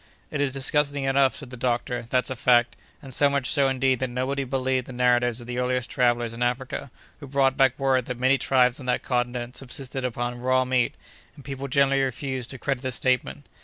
"It is disgusting enough," said the doctor, "that's a fact; and so much so, indeed, that nobody believed the narratives of the earliest travellers in Africa who brought back word that many tribes on that continent subsisted upon raw meat, and people generally refused to credit the statement.